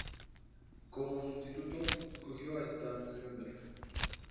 Como sustituto, se escogió a Starhemberg.